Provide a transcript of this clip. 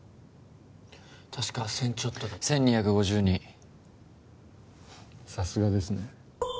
確か１０００ちょっとだと１２５２さすがですね